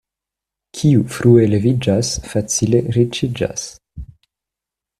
Kiu frue leviĝas, facile riĉiĝas.